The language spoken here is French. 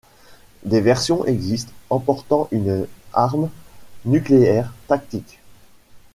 Des versions existent emportant une arme nucléaire tactique.